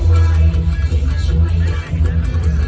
มันเป็นเมื่อไหร่แล้ว